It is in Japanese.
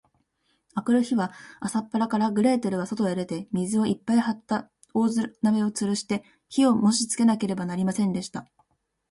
あくる日は、朝っぱらから、グレーテルはそとへ出て、水をいっぱいはった大鍋をつるして、火をもしつけなければなりませんでした。